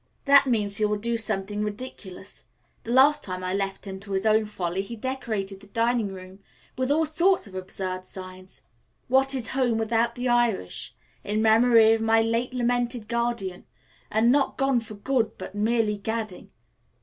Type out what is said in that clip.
That means he will do something ridiculous. The last time I left him to his own folly, he decorated the dining room with all sorts of absurd signs 'What is home without the Irish?' 'In memory of my late lamented guardian,' and 'Not gone for good, but merely gadding.'"